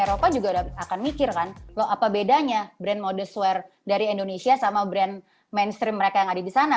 eropa juga akan mikir kan loh apa bedanya brand modest wear dari indonesia sama brand mainstream mereka yang ada di sana